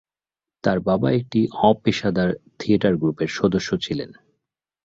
তার বাবা একটি অপেশাদার থিয়েটার গ্রুপের সদস্য ছিলেন।